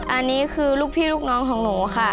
อันนี้คือลูกพี่ลูกน้องของหนูค่ะ